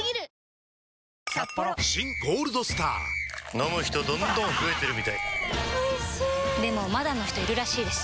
飲む人どんどん増えてるみたいおいしでもまだの人いるらしいですよ